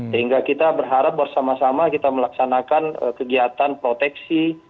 sehingga kita berharap bersama sama kita melaksanakan kegiatan proteksi